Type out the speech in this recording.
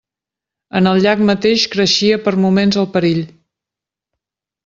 En el llac mateix creixia per moments el perill.